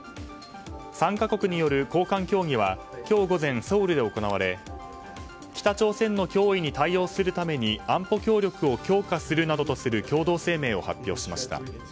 ３か国による高官協議は今日午前ソウルで行われ北朝鮮の脅威に対応するために安保協力を強化するなどとする共同声明を発表しました。